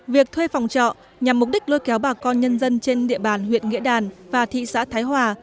việc thuê phòng trọ nhằm mục đích lôi kéo bà con nhân dân trên địa bàn huyện nghĩa đàn và thị xã thái hòa